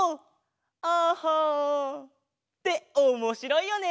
「ＡＨＨＡ」っておもしろいよね！